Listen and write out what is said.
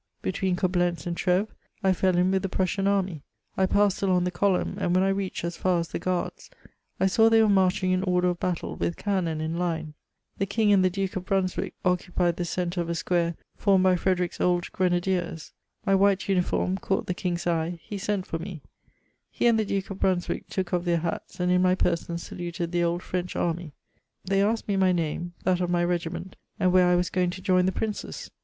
Between Coblentz and Treves, I fell in with the Prussian army. I passed along the column, and when 1 reached as far as tne guards, I saw they were marching in order of battle, with cannon in line. The king and the Duke of Brunswick occupied the centre of a square, formed by Frederick's old 338 MEHOIBS OF gienadien. My white uniform caught the ]ang*a eye ; he aent for me : he mod the Duke o£ Brunswick took off their hats, and in my ^pexson laluted ^ M Freaeh army. Tbej asked me my name^ that o£ my regiment^ and where I waa going to jom the princes.